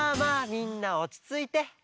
みんなおちついて！